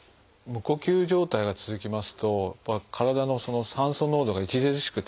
無呼吸状態が続きますと体の酸素濃度が著しく低下します。